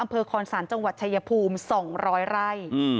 คอนศาลจังหวัดชายภูมิ๒๐๐ไร่